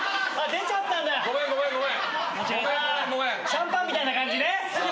シャンパンみたいな感じね。